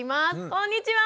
こんにちは。